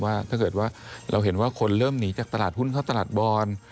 ถ้าเกิดว่าเราเห็นว่าคนเริ่มหนีจากตลาดหุ้นเข้าตลาดบอล